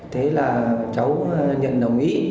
thế là cháu nhận đồng ý